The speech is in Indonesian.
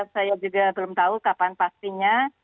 saya juga belum tahu kapan pastinya